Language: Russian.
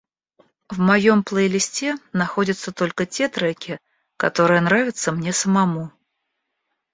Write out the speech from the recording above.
В моём плейлисте находятся только те треки, которые нравятся мне самому.